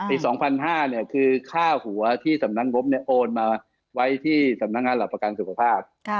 อีก๒๕๐๐เนี่ยคือค่าหัวที่สำนักงบโอนมาไว้ที่สำนักงานหลักประกันสุขภาพ